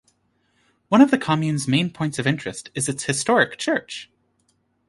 One of the commune's main points of interest is its historic church.